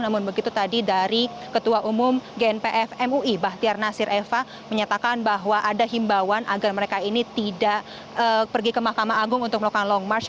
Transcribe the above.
namun begitu tadi dari ketua umum gnpf mui bahtiar nasir eva menyatakan bahwa ada himbawan agar mereka ini tidak pergi ke mahkamah agung untuk melakukan long march